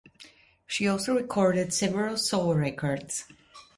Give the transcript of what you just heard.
She also recorded several solo records.